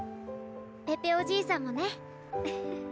ペペおじいさんもねフフ。